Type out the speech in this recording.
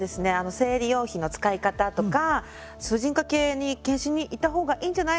生理用品の使い方とか婦人科系に検診に行った方がいいんじゃない？